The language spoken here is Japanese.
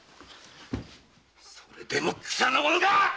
それでも草の者かっ